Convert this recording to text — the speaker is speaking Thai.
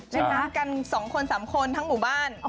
เล่นน้ำกันสองคนสามคนทั้งหมู่บ้าน